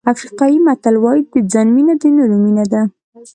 افریقایي متل وایي د ځان مینه د نورو مینه ده.